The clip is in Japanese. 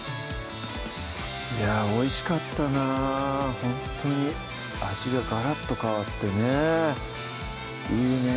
いやぁおいしかったなほんとに味がガラッと変わってねいいね